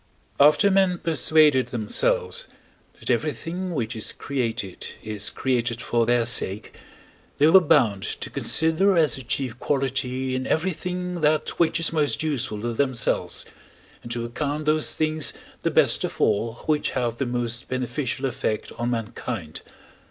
After men persuaded themselves, that everything which is created is created for their sake, they were bound to consider as the chief quality in everything that which is most useful to themselves, and to account those things the best of all which have the most beneficial effect on mankind.